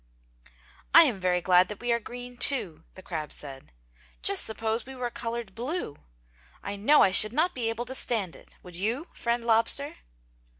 "I am very glad that we are green, too." the crab said, "Just suppose we were colored blue! I know I should not be able to stand it! Would you, Friend Lobster?'